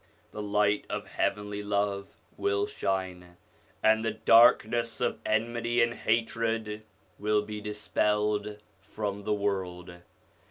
The light of heavenly love will shine, and the darkness of enmity and hatred will be dispelled from the world.